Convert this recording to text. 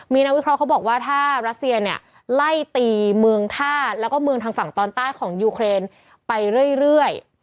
มีนักวิเคราะห์เขาบอกว่าถ้ารัสเซียเนี่ยไล่ตีเมืองธาตุแล้วก็เมืองทางฝั่งตอนใต้ของยูเครนไปเรื่อย